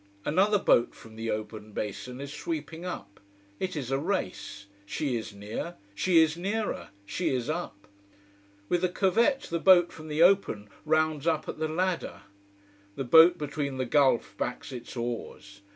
Another boat from the open basin is sweeping up: it is a race: she is near, she is nearer, she is up. With a curvet the boat from the open rounds up at the ladder. The boat between the gulf backs its oars.